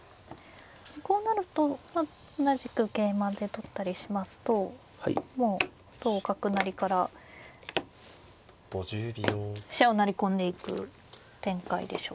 こうなると同じく桂馬で取ったりしますともう同角成から飛車を成り込んでいく展開でしょうか。